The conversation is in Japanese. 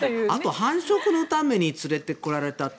繁殖のために連れてこられたと